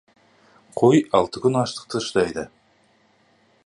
Қой алты күн аштыққа шыдайды.